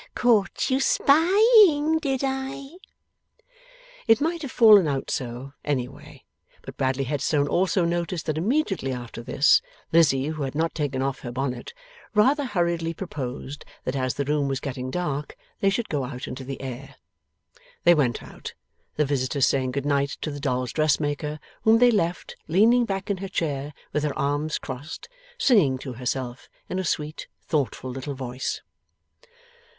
Caught you spying, did I?' It might have fallen out so, any way; but Bradley Headstone also noticed that immediately after this, Lizzie, who had not taken off her bonnet, rather hurriedly proposed that as the room was getting dark they should go out into the air. They went out; the visitors saying good night to the doll's dressmaker, whom they left, leaning back in her chair with her arms crossed, singing to herself in a sweet thoughtful little voice.